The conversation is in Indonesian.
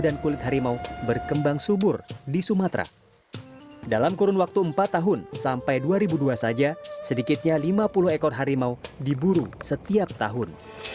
dalam kurun waktu empat tahun sampai dua ribu dua saja sedikitnya lima puluh ekor harimau diburu setiap tahun